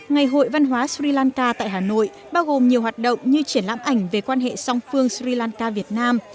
ngày hội văn hóa sri lanka tại hà nội bao gồm nhiều hoạt động như triển lãm ảnh về quan hệ song phương sri lanka việt nam